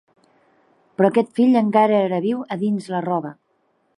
Però aquest fill encara era viu a dins la roba.